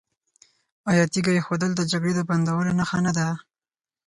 آیا تیږه ایښودل د جګړې د بندولو نښه نه ده؟